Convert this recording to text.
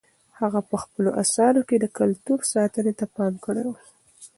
هغه په خپلو اثارو کې د کلتور ساتنې ته پام کړی و.